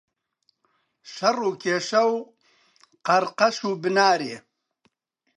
شەڕ و کێشە و قەڕقەش و بنارێ.